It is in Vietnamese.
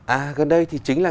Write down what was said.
à gần đây thì chính là